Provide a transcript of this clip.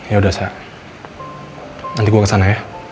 ya udah sa nanti gue kesana ya